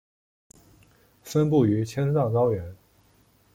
分布于青藏高原。